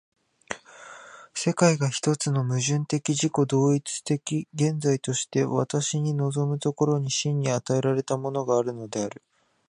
世界が一つの矛盾的自己同一的現在として私に臨む所に、真に与えられたものがあるのである。